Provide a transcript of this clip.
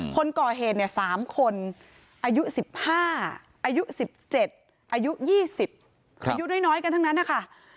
คนก่อเหตุเนี่ย๓คนอายุ๑๕อายุ๑๗อายุ๒๐อายุน้อยกันทั้งนั้นนะคะ